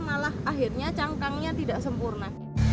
malah akhirnya cangkangnya tidak sempurna